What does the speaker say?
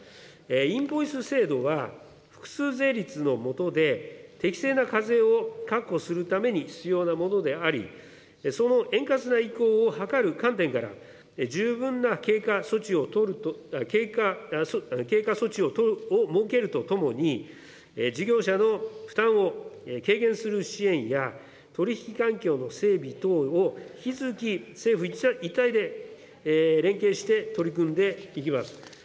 インボイス制度は、複数税率の下で適正な課税を確保するために必要なものであり、その円滑な移行を図る観点から、十分な経過措置を設けるとともに、事業者の負担を軽減する支援や、取り引き環境の整備等を引き続き政府一体で連携して取り組んでいきます。